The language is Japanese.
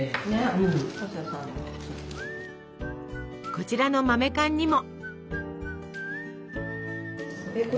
こちらの豆かんにも。